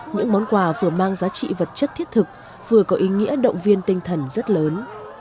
những món quà vừa mang giá trị vật chất thiết thực vừa có ý nghĩa động viên tinh thần rất lớn